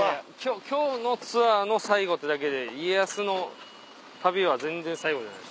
今日のツアーの最後ってだけで家康の旅は全然最後じゃないです。